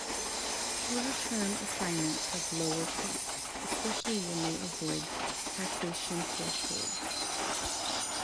Shorter term assignments have lower costs, especially when they avoid taxation thresholds.